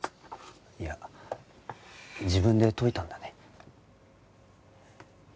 いや自分で解いたんだね。